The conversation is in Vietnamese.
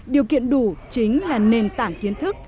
điều kiện đủ chính là nền tảng kiến thức